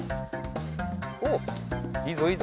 おっいいぞいいぞ。